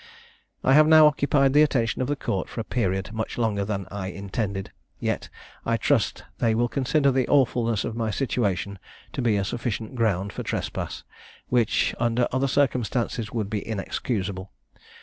"I have now occupied the attention of the court for a period much longer than I intended; yet, I trust, they will consider the awfulness of my situation to be a sufficient ground for a trespass, which, under other circumstances, would be inexcusable.